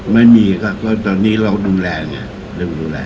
ไม่มีครับก็ตอนนี้เราดูแลไงเราดูแล